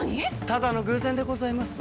ただの偶然でございます。